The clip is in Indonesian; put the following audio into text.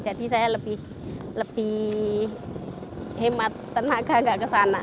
jadi saya lebih hemat tenaga nggak ke sana